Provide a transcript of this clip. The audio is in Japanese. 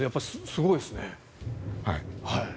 すごいですね。